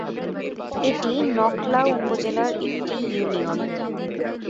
এটি নকলা উপজেলার একটি ইউনিয়ন।